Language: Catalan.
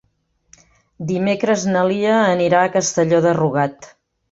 Dimecres na Lia anirà a Castelló de Rugat.